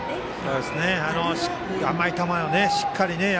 甘い球をしっかり。